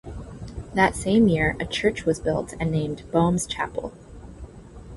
That same year a church was built and named Boehm's Chapel.